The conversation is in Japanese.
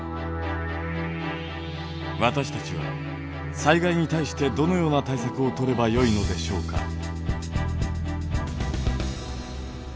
私たちは災害に対してどのような対策を取ればよいのでしょうか。